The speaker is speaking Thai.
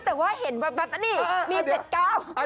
แต่ว่าเห็นแบบนั้นนี่มี๗เก้า